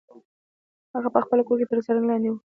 هغه په خپل کور کې تر څارنې لاندې و.